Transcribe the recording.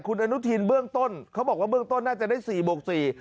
คุณอนุทินเบื้องต้นเขาบอกว่าเบื้องต้นน่าจะได้สี่บวกสี่